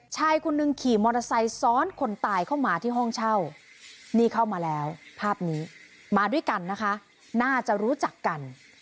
ชายคนหนึ่งขี่มอเตอร์ไซค์ซ้อนคนตายเข้ามาที่ห้องเช่านี่เข้ามาแล้วภาพนี้มาด้วยกันนะคะน่าจะรู้จักกัน